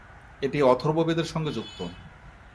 এটি অথর্ববেদের সঙ্গে যুক্ত।